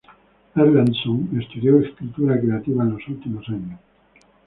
Erlandson estudió escritura creativa en los últimos años.